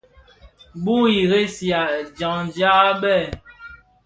Bu i resihà dyangdyag béé.